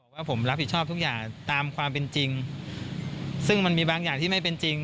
ว่าผมรับผิดชอบทุกอย่างตามความเป็นจริงซึ่งมันมีบางอย่างที่ไม่เป็นจริง